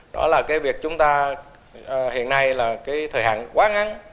đó là cái việc chúng ta hiện nay là cái thời hạn quá ngắn